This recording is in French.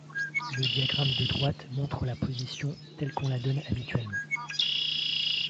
Le diagramme de droite montre la position, telle qu'on la donne habituellement.